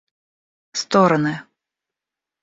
стороны